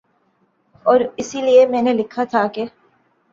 اور اسی لیے میں نے لکھا تھا کہ